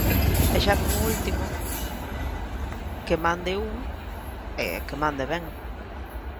E xa como último, que mande un e que mande ben.